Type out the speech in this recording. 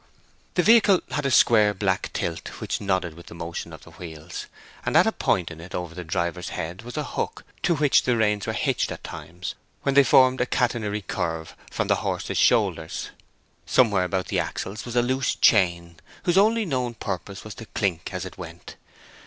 The vehicle had a square black tilt which nodded with the motion of the wheels, and at a point in it over the driver's head was a hook to which the reins were hitched at times, when they formed a catenary curve from the horse's shoulders. Somewhere about the axles was a loose chain, whose only known purpose was to clink as it went.